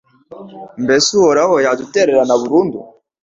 Mbese Uhoraho yadutererana burundu